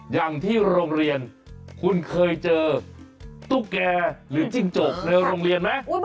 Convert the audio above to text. อย่างที่โรงเรียนคุณเคยเจอตุ๊กแก่หรือจิ้งจกในโรงเรียนไหม